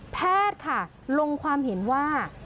แพทย์ค่ะลงความเห็นว่า